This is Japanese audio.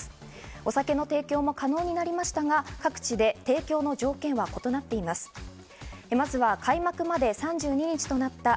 お酒の提供も可能になりましたが、各地で提供の条件は異なっています。